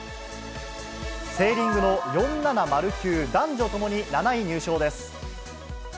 セーリングの４７０級、男女共に７位入賞です。